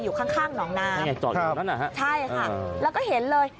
อยู่ข้างหนองน้ำใช่ค่ะแล้วก็เห็นเลย